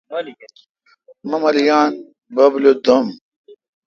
مہ مل یان، بب لو دو°م۔